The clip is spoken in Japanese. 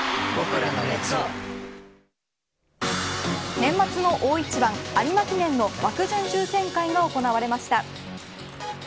年末の大一番、有馬記念の枠順抽選会が行われました。